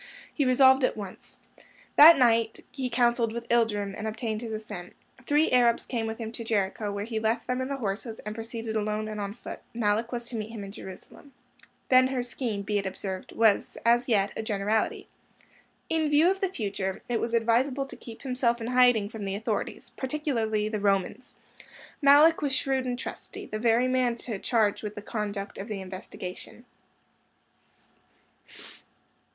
He resolved at once. That night he counselled with Ilderim, and obtained his assent. Three Arabs came with him to Jericho, where he left them and the horses, and proceeded alone and on foot. Malluch was to meet him in Jerusalem. Ben Hur's scheme, be it observed, was as yet a generality. In view of the future, it was advisable to keep himself in hiding from the authorities, particularly the Romans. Malluch was shrewd and trusty; the very man to charge with the conduct of the investigation.